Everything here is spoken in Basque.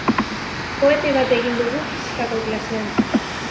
Kohete bat egin dugu fisikako klasean.